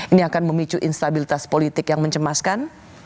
ini akan memicu instabilitas politik yang mencemaskan